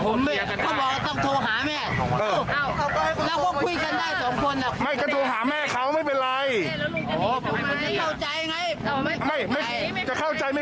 ผมเลือกอันนี้ขับรถไปเข้ามาตามรถกระจากรถผม